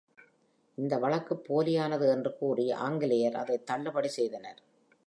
இந்த வழக்கு போலியானது என்று கூறி ஆங்கிலேயர் அதை தள்ளுபடி செய்தனர்.